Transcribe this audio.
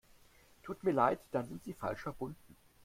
Tut mir leid, dann sind Sie falsch verbunden.